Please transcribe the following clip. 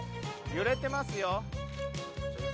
揺れてますよ。